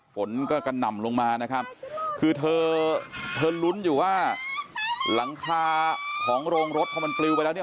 ฝนก็กระหน่ำลงมานะครับคือเธอเธอลุ้นอยู่ว่าหลังคาของโรงรถพอมันปลิวไปแล้วเนี่ย